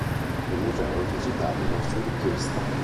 Il museo è visitabile su richiesta.